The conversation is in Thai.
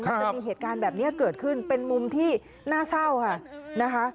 จะมีเหตุการณ์แบบนี้เกิดขึ้นเป็นมุมที่น่าเศร้าค่ะนะคะ